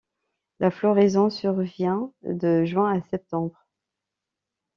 La floraison survient de juin à septembre.